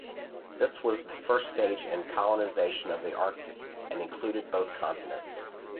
This was the first stage in colonization of the Arctic and included both continents.